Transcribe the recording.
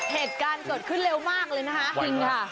เหตุการณ์เกิดขึ้นเร็วมากเลยนะฮะ